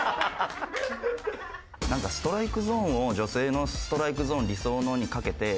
「なんかストライクゾーンを女性のストライクゾーン理想のに掛けて」。